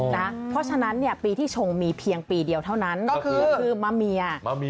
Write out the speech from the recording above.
เพราะฉะนั้นปีที่ชงมีเพียงปีเดียวเท่านั้นก็คือมาเมีย